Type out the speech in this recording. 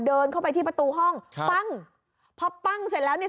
เดินเข้าไปที่ประตูห้องใช่ปั้งพอปั้งเสร็จแล้วเนี่ย